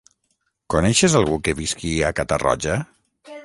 Coneixes algú que visqui a Catarroja?